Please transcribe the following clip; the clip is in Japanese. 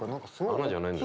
穴じゃないんだよ。